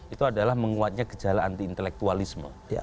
itu adalah menguatnya gejala anti intelektualisme